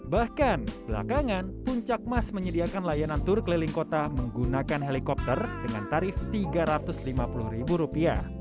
bahkan belakangan puncak mas menyediakan layanan tur keliling kota menggunakan helikopter dengan tarif rp tiga ratus lima puluh